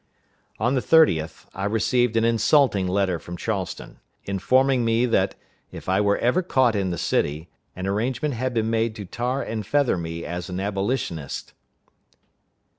On the 30th, I received an insulting letter from Charleston, informing me that, if I were ever caught in the city, an arrangement had been made to tar and feather me as an Abolitionist.